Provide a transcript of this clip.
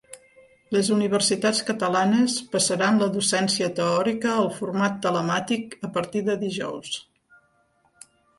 Les universitats catalanes passaran la docència teòrica al format telemàtic a partir de dijous.